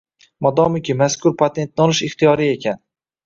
Modomiki, mazkur patentni olish ixtiyoriy ekan